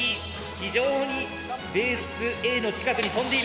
非常にベースＡの近くに飛んでいる。